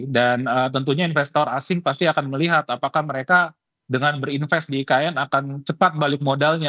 dan tentunya investor asing pasti akan melihat apakah mereka dengan berinvest di ikn akan cepat balik modalnya